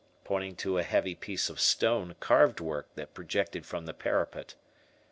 pointing to a heavy piece of stone carved work that projected from the parapet.